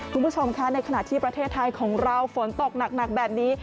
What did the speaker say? คุณผู้ชมคะในขณะที่ประเทศไทยของเราฝนตกหนักแบบนี้